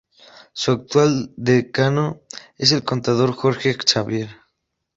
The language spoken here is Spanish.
Su actual decano es el contador Jorge Xavier.